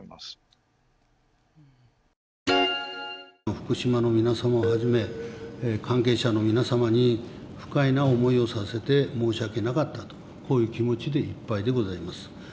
福島の皆様をはじめ、関係者の皆様に不快な思いをさせて申し訳なかったとこういう気持ちでいっぱいでございます。